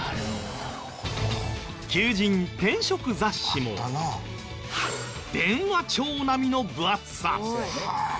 求人・転職雑誌も電話帳並みの分厚さ。